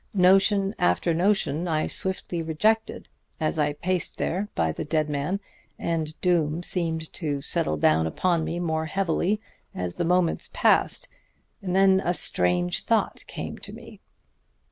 Notion after notion I swiftly rejected as I paced there by the dead man, and doom seemed to settle down upon me more heavily as the moments passed. Then a strange thought came to me.